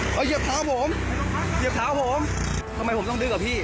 เขาเหยียบพลาดผมเหยียบพลาดผมทำไมว่าผมต้องดึก